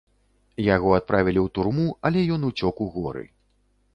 Яго адправілі ў турму, але ён уцёк у горы.